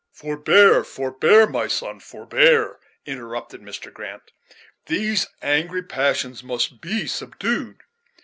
"Forbear, forbear, my son, forbear," interrupted Mr. Grant. "These angry passions most be subdued.